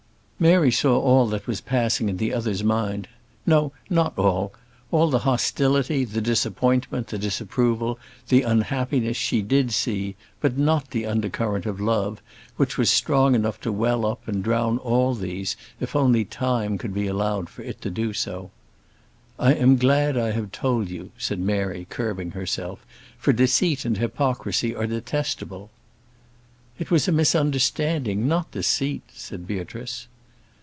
Mary saw all that was passing in the other's mind: no, not all; all the hostility, the disappointment, the disapproval, the unhappiness, she did see; but not the under current of love, which was strong enough to well up and drown all these, if only time could be allowed for it to do so. "I am glad I have told you," said Mary, curbing herself, "for deceit and hypocrisy are detestable." "It was a misunderstanding, not deceit," said Beatrice.